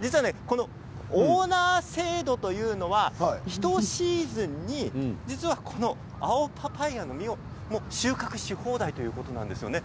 実はオーナー制度というのは１シーズンに実はこの青パパイアの実を収穫し放題ということなんですよね。